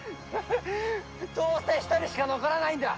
どうせ１人しか残らないんだ！